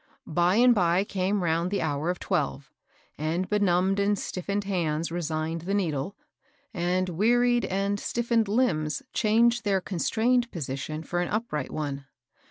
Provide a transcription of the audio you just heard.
By and by came round the hour of twelve, and benumbed and stiffened hands resigned the needle, and wearied and stiffened limbs changed their con strained position for an upright one.